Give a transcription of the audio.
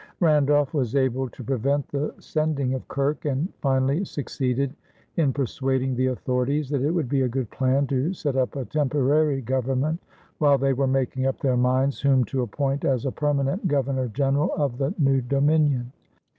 Randolph was able to prevent the sending of Kirke, and finally succeeded in persuading the authorities that it would be a good plan to set up a temporary government, while they were making up their minds whom to appoint as a permanent governor general of the new dominion.